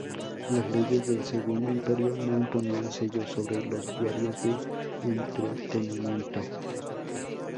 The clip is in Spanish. Las leyes del Segundo Imperio no imponían sello sobre los diarios de entretenimiento.